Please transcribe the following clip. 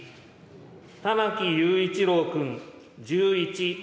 玉木雄一郎君１１。